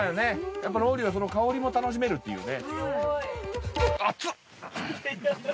やっぱロウリュは香りも楽しめるっていうね。